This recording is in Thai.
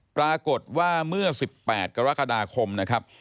ปรากฏว่าเมื่อ๑๘กรกฎาคมนะครับ